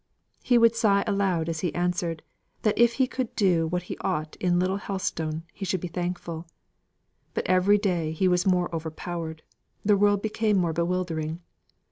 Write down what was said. He would sigh aloud as he answered, that if he could do what he ought in little Helstone, he should be thankful; but every day he was more overpowered; the world became more bewildering.